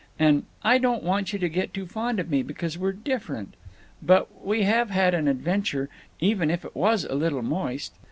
And—and I don't want you to get too fond of me, because we're—different…. But we have had an adventure, even if it was a little moist."